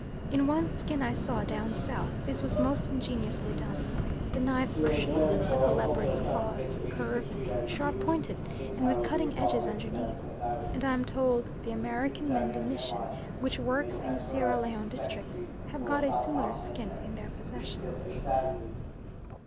In one skin I saw down south this was most ingeniously done. The knives were shaped like the leopard's claws, curved, sharp pointed, and with cutting edges underneath, and I am told the American Mendi Mission, which works in the Sierra Leone districts, have got a similar skin in their possession.